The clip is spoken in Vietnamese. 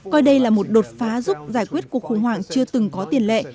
coi đây là một đột phá giúp giải quyết cuộc khủng hoảng chưa từng có tiền lệ